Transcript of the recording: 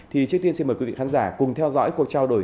thì trước tiên xin mời quý vị khán giả cùng theo dõi cuộc trao đổi